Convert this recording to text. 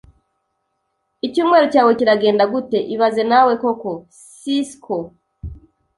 Icyumweru cyawe kiragenda gute ibaze nawe koko(sysko)